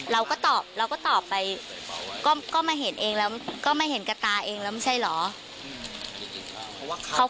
เราก็ตอบเราก็ตอบไปก็มาเห็นเองแล้วก็ไม่เห็นกระตาเองแล้วไม่ใช่เหรอ